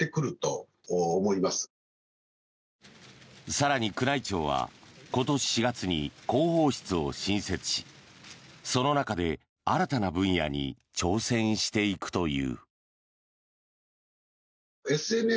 更に宮内庁は今年４月に広報室を新設しその中で新たな分野に挑戦していくという。